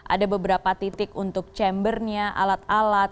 ada beberapa titik untuk chambernya alat alat